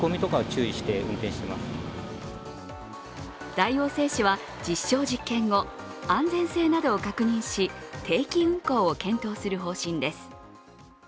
大王製紙は、実証実験後安全性などを確認し定期運行を検討する方針です。